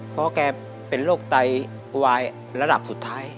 เพราะแกเป็นโรคไตวายระดับสุดท้าย